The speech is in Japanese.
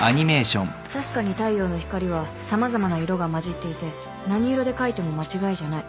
確かに太陽の光は様々な色が混じっていて何色で描いても間違いじゃない。